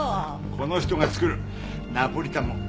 この人が作るナポリタンも絶品ですよ。